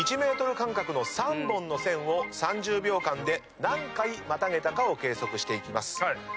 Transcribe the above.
１ｍ間隔の３本の線を３０秒間で何回またげたかを計測していきます。